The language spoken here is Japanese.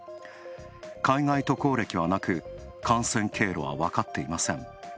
海外渡航歴はなく、感染経路はわかっていません。